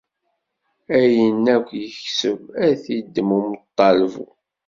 Ayen akk yekseb, ad t-iddem umeṭṭalbu.